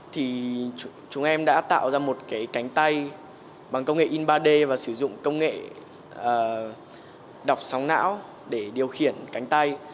thì chúng em đã tạo ra một cái cánh tay bằng công nghệ in ba d và sử dụng công nghệ đọc sóng não để điều khiển cánh tay